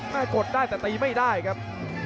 กดได้แต่ตีไม่ได้ครับ